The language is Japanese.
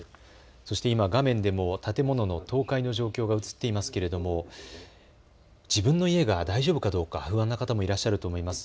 そして今、画面でも建物の倒壊の状況が映っていますけれども自分の家が大丈夫かどうか不安な方もいらっしゃるかと思います。